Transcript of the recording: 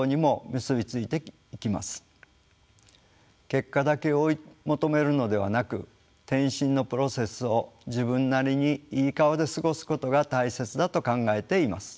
結果だけ追い求めるのではなく転身のプロセスを自分なりにいい顔で過ごすことが大切だと考えています。